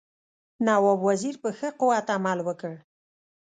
نواب وزیر په ښه قوت عمل وکړ.